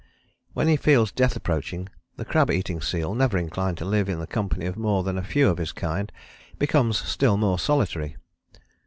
When he feels death approaching, the crab eating seal, never inclined to live in the company of more than a few of his kind, becomes still more solitary.